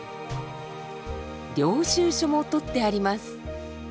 領収書もとってあります。